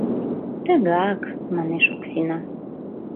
«Тыгак!» — манеш Оксина.